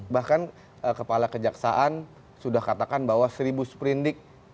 bahkan kepala kejaksaan sudah katakan bahwa seribu sepuluh indik